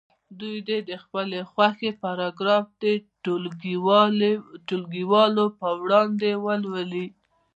دوی دې د خپلې خوښې پاراګراف ټولګیوالو په وړاندې ولولي.